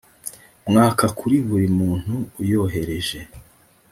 mwaka kuri buri muntu uyohereje